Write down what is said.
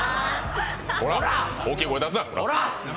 大きい声出すな。